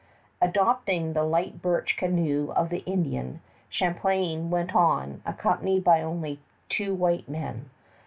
Adopting the light birch canoe of the Indian, Champlain went on, accompanied by only two white men.